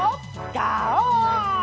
ガオー！